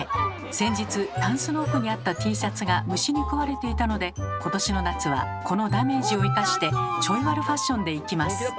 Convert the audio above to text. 先日タンスの奥にあったＴシャツが虫に食われていたので今年の夏はこのダメージを生かしてちょい悪ファッションでいきます。